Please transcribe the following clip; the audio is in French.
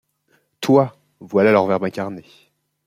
Toi, voilà leur Verbe incarné.